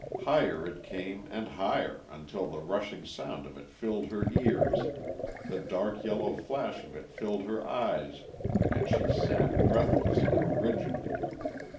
Higher it came and higher until the rushing sound of it filled her ears, the dark yellow flash of it filled her eyes and she sat breathless and rigid....